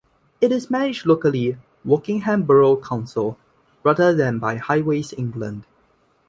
It is managed locally, Wokingham Borough Council, rather than by Highways England.